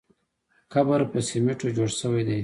قبر په سمېټو جوړ شوی دی.